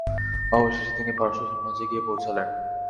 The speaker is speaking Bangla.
অবশেষে তিনি পারস্য সাম্রাজ্যে গিয়ে পৌঁছলেন।